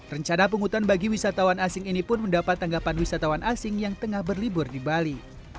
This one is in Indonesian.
rencana penghutan bagi wisatawan asing ini pun mendapat tanggapan wisatawan asing yang tengah berlibur di bali